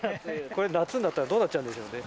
これ、夏になったらどうなっちゃうんでしょうね。